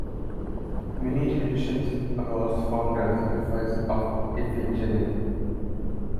Many traditions arose from the sacrifice of Iphigenia.